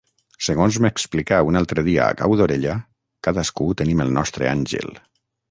Segons m’explicà un altre dia a cau d’orella, cadascú tenim el nostre àngel.